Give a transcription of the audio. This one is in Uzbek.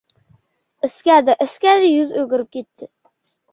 Iskadi-iskadi, yuz o‘girdi-ketdi.